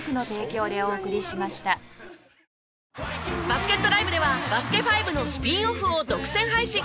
バスケットＬＩＶＥでは『バスケ☆ＦＩＶＥ』のスピンオフを独占配信！